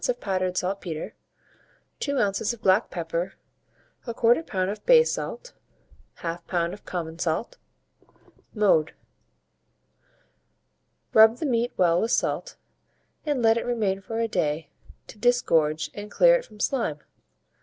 of powdered saltpetre, 2 oz. of black pepper, 1/4 lb. of bay salt, 1/2 lb. of common salt. Mode. Rub the meat well with salt, and let it remain for a day, to disgorge and clear it from slime.